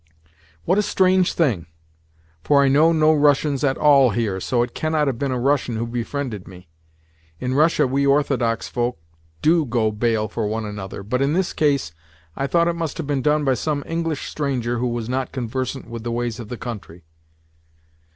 "What a strange thing! For I know no Russians at all here, so it cannot have been a Russian who befriended me. In Russia we Orthodox folk do go bail for one another, but in this case I thought it must have been done by some English stranger who was not conversant with the ways of the country."